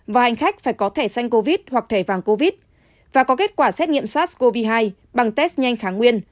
và hành khách phải có thẻ xanh covid hoặc thẻ vàng covid và có kết quả xét nghiệm sars cov hai bằng test nhanh kháng nguyên